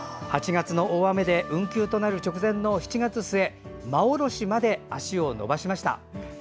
８月の大雨で運休になる直前の７月末馬下まで足を延ばしました。